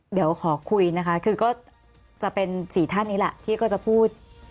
เดี๋ยวขอคุยนะคะคือก็จะเป็น๔ท่านนี้แหละที่ก็จะพูด